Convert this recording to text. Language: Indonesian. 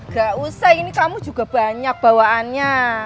gak usah ini kamu juga banyak bawaannya